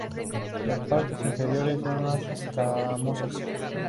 Las parte inferiores son más escamosas.